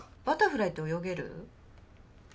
バタフライって泳げる？